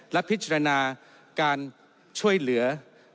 และพิจารณาการช่วยเหลือ